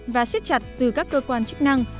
và siết chặt từ các cơ quan chức năng